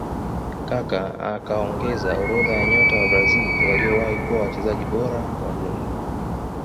Kaka akaongeza orodha ya nyota wa kibrazil waliowahi kuwa wachezaji bora wa duni